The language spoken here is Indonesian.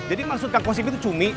jadi maksud kang kostim itu cumi